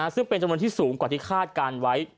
ซึ่งเป็นจำนวนที่สูงกว่าที่คาดการณ์ไว้